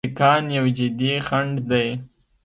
سیکهان یو جدي خنډ دی.